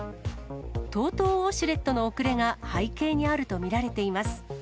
ＴＯＴＯウォシュレットの遅れが背景にあると見られています。